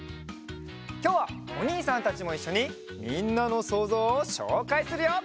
きょうはおにいさんたちもいっしょにみんなのそうぞうをしょうかいするよ！